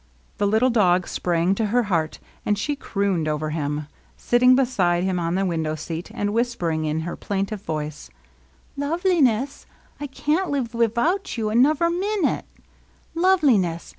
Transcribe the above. The little dog sprang to her hearty and she crooned over him^ sitting beside him on the window seat and whisper ing in her plaintive voice :" Love li ness I I can't live wivout you anover mmute, Loveliness!